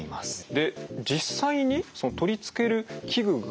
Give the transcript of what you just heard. で実際にその取り付ける器具が。